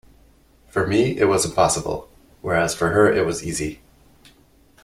For me it was impossible, whereas for her it was easy.